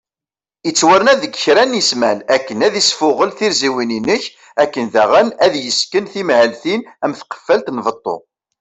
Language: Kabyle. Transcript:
Ittwarna deg kra n ismal akken ad isfuγel tirziwin inek , akken daγen ad d-yesken timahaltin am tqefalt n beṭṭu